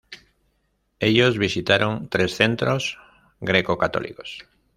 Ellos visitaron tres centros greco-católicos.